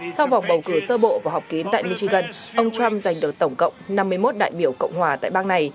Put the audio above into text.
sau vòng bầu cử sơ bộ và học kín tại michigan ông trump giành được tổng cộng năm mươi một đại biểu cộng hòa tại bang này